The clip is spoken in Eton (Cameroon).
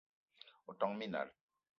O ton minal